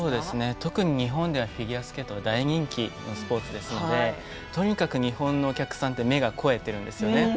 特に日本ではフィギュアスケートは大人気のスポーツなのでとにかく日本のお客さん目が肥えているんですよね。